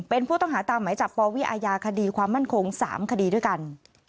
เป็นผู้ต้องหาตามหมายจับปวิอาญาคดีความมั่นคง๓คดีด้วยกัน